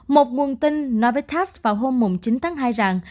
một nguồn tin novotas vào hôm chín tháng hai rằng